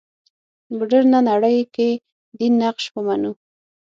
مډرنه نړۍ کې دین نقش ومنو.